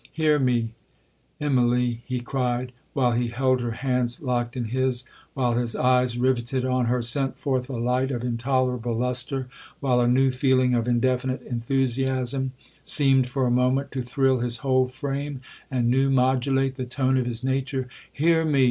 Hear me, Immalee!' he cried, while he held her hands locked in his—while his eyes, rivetted on her, sent forth a light of intolerable lustre—while a new feeling of indefinite enthusiasm seemed for a moment to thrill his whole frame, and new modulate the tone of his nature; 'Hear me!